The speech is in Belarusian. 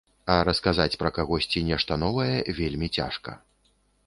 А расказаць пра кагосьці нешта новае вельмі цяжка.